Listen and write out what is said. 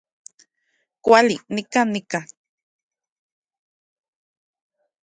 Kuali, nikan nika